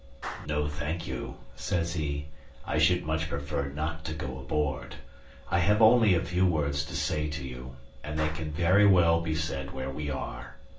"No thank you," says he; "I should much prefer not to go aboard. I have only a few words to say to you, and they can very well be said where we are.